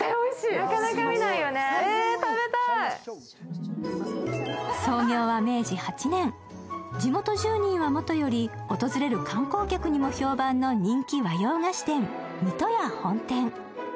なかなか見ないよね、食べたい創業は明治８年、地元住民はもとより訪れる観光客にも評判の人気和洋菓子店、水戸屋本店。